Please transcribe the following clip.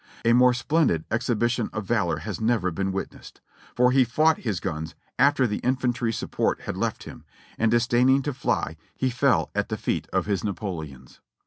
A more splendid exhibition of valor has never been witnessed ; for he fought his guns after the infantry sup ports had left him, and disdaining to fly he fell at the feet of his Napoleons.